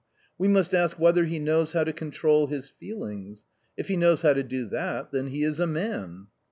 We must ask whether he knows how v to control his feelings ; if he knows how to do that, then he I is a man."